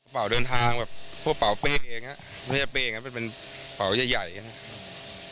ป่าวเดินทางแบบพวกป่าวเป้งเองอ่ะไม่ใช่เป้งอ่ะเป็นเป็นป่าวใหญ่ใหญ่อย่างนี้